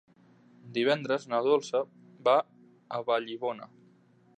Divendres na Dolça va a Vallibona.